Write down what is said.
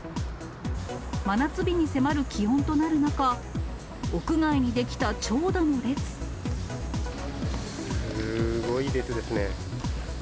真夏日に迫る気温となる中、すごい列ですね。